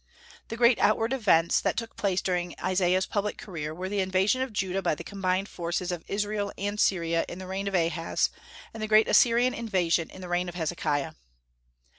The great outward events that took place during Isaiah's public career were the invasion of Judah by the combined forces of Israel and Syria in the reign of Ahaz, and the great Assyrian invasion in the reign of Hezekiah.